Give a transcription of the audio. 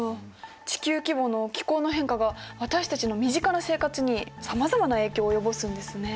地球規模の気候の変化が私たちの身近な生活にさまざまな影響を及ぼすんですね。